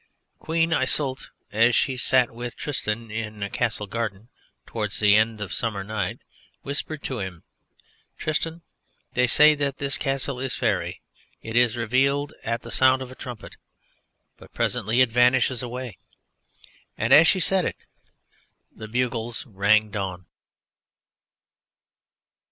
Queen Iseult, as she sat with Tristan in a Castle Garden, towards the end of a summer night, whispered to him: "Tristan, they say that this Castle is Faëry; it is revealed at the sound of a Trumpet, but presently it vanishes away," and as she said it the bugles rang dawn.